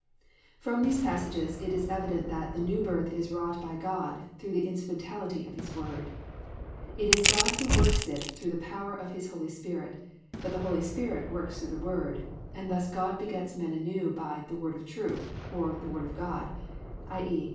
"+ From these passages it is evident that the New Birth is wrought by God through the instrumentality of His Word. It is God who works it through the power of His Holy Spirit, but the Holy Spirit works through the Word, and thus God begets men anew by "The Word of Truth," or the "Word of God," i.e.